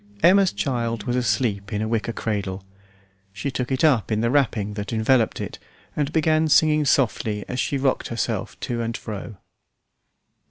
Emma's child was asleep in a wicker cradle. She took it up in the wrapping that enveloped it and began singing softly as she rocked herself to and fro.